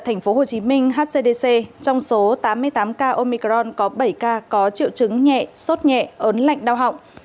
tp hcm hcdc trong số tám mươi tám ca omicron có bảy ca có triệu chứng nhẹ sốt nhẹ ớn lạnh đau họng